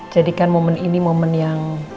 jadikan momen ini momen yang